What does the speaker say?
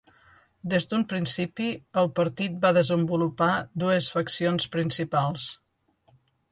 Des d'un principi, el partit va desenvolupar dues faccions principals.